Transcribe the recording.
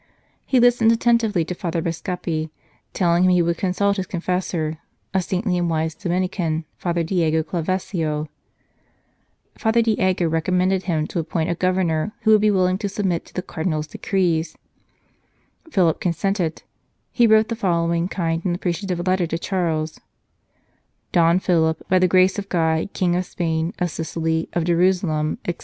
He listened attentively to Father Bascape, telling him he would consult his confessor a saintly and wise Dominican, Father Diego Clavesio. Father Diego recommended him to appoint a 185 St. Charles Borromeo Governor who would be willing to submit to the Cardinal s decrees. Philip consented ; he wrote the following kind and appreciative letter to Charles :" Don Philip, by the grace of God, King of Spain, of Sicily, of Jerusalem, etc.